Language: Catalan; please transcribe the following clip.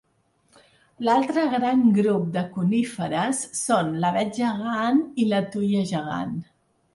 L'altre gran grup de coníferes són l'avet gegant i la tuia gegant.